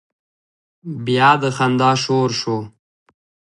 بيا د خندا شور شو.